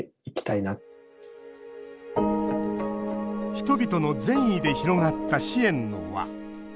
人々の善意で広がった支援の輪。